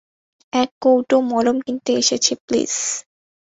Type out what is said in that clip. এক কৌটো মলম কিনতে এসেছি, প্লিজ।